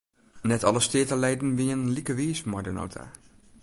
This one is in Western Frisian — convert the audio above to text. Net alle steateleden wienen like wiis mei de nota.